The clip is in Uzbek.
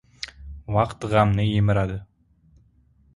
Vaqt g‘amni yemiradi.